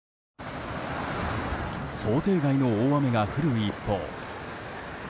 想定外の大雨が降る一方。